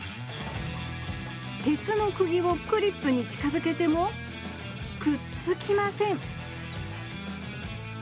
鉄のくぎをクリップに近づけてもくっつきません